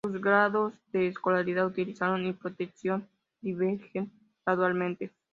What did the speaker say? Sus grados de escolaridad, utilización y protección divergen gradualmente.